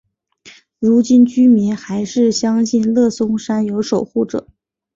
如今居民还是相信乐松山有守护者。